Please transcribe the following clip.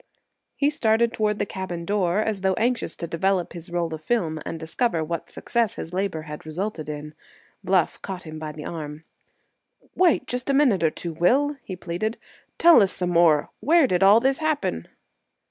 He started toward the cabin door as though anxious to develop his roll of film and discover what success his labor had resulted in. Bluff caught him by the arm. "Wait just a minute or two, Will," he pleaded. "Tell us some more. Where did all this happen?"